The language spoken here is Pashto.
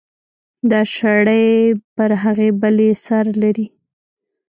دا شړۍ پر هغې بلې سر لري.